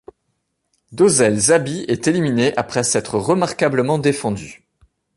Dozel Zabi est éliminé après s'être remarquablement défendu.